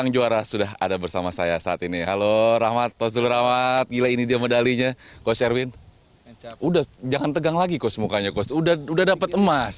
jangan tegang lagi kos mukanya udah dapet emas